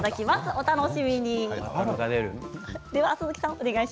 お楽しみに。